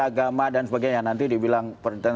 agama dan sebagainya nanti dibilang pemerintahan